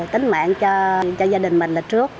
tính mạng cho gia đình mình là trước